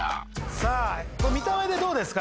さあ見た目でどうですか？